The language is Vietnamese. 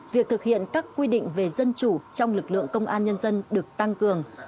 việc thực hiện các quy định về dân chủ trong lực lượng công an nhân dân được tăng cường